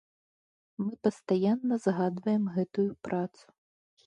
Мы пастаянна згадваем гэтую працу.